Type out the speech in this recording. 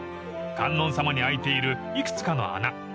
［観音様に開いている幾つかの穴］